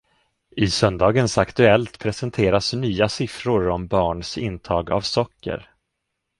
I söndagens Aktuellt presenteras nya siffror om barns intag av socker.